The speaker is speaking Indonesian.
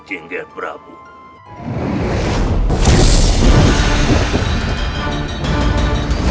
tim tim tim tim tim